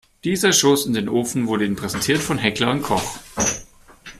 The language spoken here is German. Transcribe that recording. Dieser Schuss in den Ofen wurde Ihnen präsentiert von Heckler & Koch.